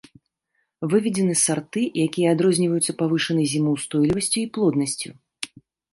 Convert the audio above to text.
Выведзены сарты, якія адрозніваюцца павышанай зімаўстойлівасцю і плоднасцю.